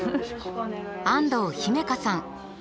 安藤姫香さん。